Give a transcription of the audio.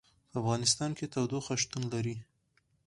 په افغانستان کې تودوخه شتون لري.